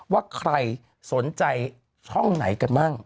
ว่าใครสนใจช่องไหนกันบ้าง